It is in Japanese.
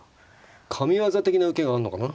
神業的な受けがあんのかな？